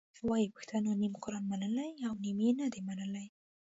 وایي پښتنو نیم قرآن منلی او نیم یې نه دی منلی.